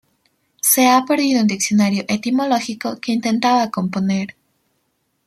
Se ha perdido un "Diccionario etimológico" que intentaba componer.